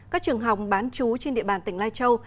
các trường học bán chú trên địa bàn tỉnh lai châu